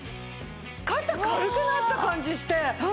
肩軽くなった感じして。